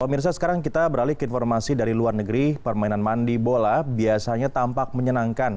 mirsa sekarang kita beralih ke informasi dari luar negeri permainan mandi bola biasanya tampak menyenangkan